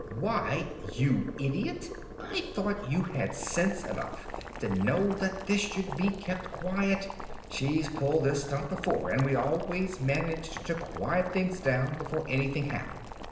"Why, you idiot, I thought you had sense enough to know that this should be kept quiet! She's pulled this stunt before, and we always managed to quiet things down before anything happened!